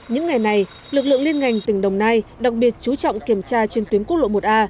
những ngày này lực lượng liên ngành tỉnh đồng nai đặc biệt chú trọng kiểm tra trên tuyến quốc lộ một a